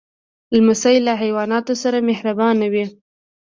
لمسی له حیواناتو سره مهربانه وي.